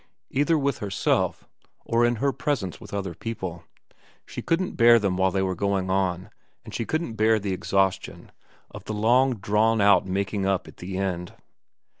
Either with herself, or in her presence with other people. She couldn't bear them while they were going on, and she couldn't bear the exhaustion of the long drawn out making up at the end.